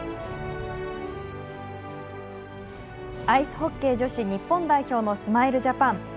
アイスホッケー女子日本代表、スマイルジャパン。